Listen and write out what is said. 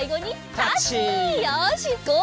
よしごう